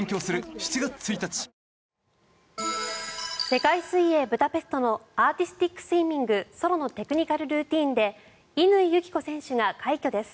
世界水泳ブダペストのアーティスティックスイミングソロのテクニカルルーティンで乾友紀子選手が快挙です。